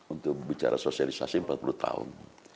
untuk bicara sosialisasi empat puluh tahun